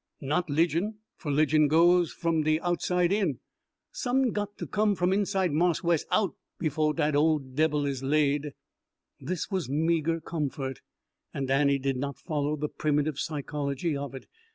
Not 'ligion, fer 'ligion goes f'm de outside in. Som'n got to come from inside Marse Wes out befo' dat ole debbil is laid." This was meagre comfort, and Annie did not follow the primitive psychology of it.